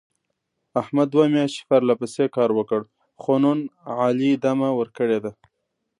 احمد دوه میاشتې پرله پسې کار وکړ. خو نن علي دمه ور کړې ده.